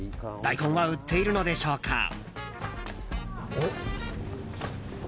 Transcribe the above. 大根は売っているのでしょうか？